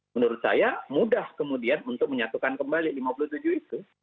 menurut saya mudah kemudian untuk menyatukan kembali lima puluh tujuh itu